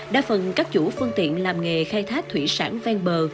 đa phần các chủ phương tiện làm nghề khai thác thủy sản ven bờ